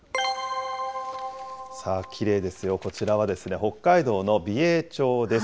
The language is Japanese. きれいですよ、こちらは、北海道の美瑛町です。